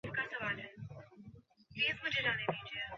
আমি এটা নিয়ে তোমাকে বিরক্ত করতে চাই না।